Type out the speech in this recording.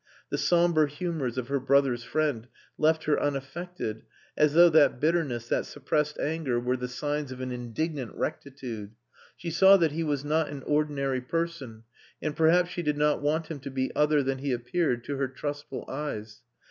The sombre humours of her brother's friend left her unaffected, as though that bitterness, that suppressed anger, were the signs of an indignant rectitude. She saw that he was not an ordinary person, and perhaps she did not want him to be other than he appeared to her trustful eyes.